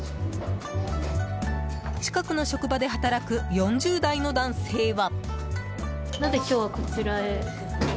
近くの職場で働く４０代の男性は。